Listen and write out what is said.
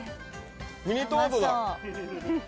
ミニトマトだ。